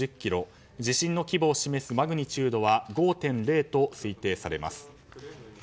地震の規模を示すマグニチュード５．０と推定されます。